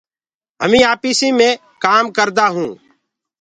همينٚ آڦيِسي مي ڪآم ڪردآ هونٚ